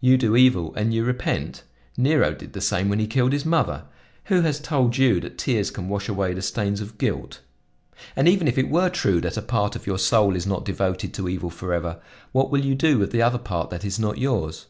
You do evil, and you repent? Nero did the same when he killed his mother. Who has told you that tears can wash away the stains of guilt? "And even if it were true that a part of your soul is not devoted to evil forever, what will you do with the other part that is not yours?